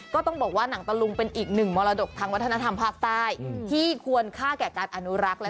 ก็ต้องบอกว่าหนังตะลุงเป็นอีกหนึ่งมรดกทางวัฒนธรรมภาคใต้ที่ควรค่าแก่การอนุรักษ์